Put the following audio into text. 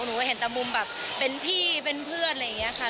หนูก็เห็นแต่มุมแบบเป็นพี่เป็นเพื่อนอะไรอย่างนี้ค่ะ